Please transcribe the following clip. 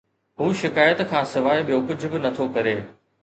هو شڪايت کان سواءِ ٻيو ڪجهه به نٿو ڪري